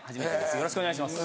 よろしくお願いします。